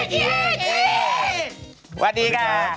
สวัสดีค่ะ